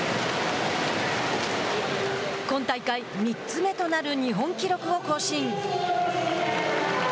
今大会３つ目となる日本記録を更新。